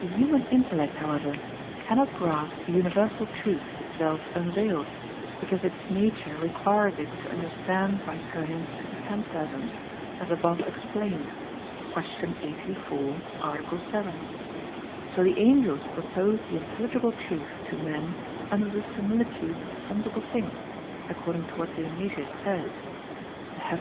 The human intellect, however, cannot grasp the universal truth itself unveiled; because its nature requires it to understand by turning to the phantasms, as above explained (Q. 84, A. 7). So the angels propose the intelligible truth to men under the similitudes of sensible things, according to what Dionysius says (Coel.